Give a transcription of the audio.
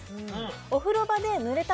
お風呂場で濡れた